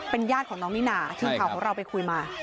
เป็มญาติของน้องนี่น่าที่เผาของเราไปคุยมา